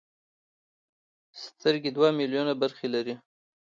سترګې دوه ملیونه برخې لري.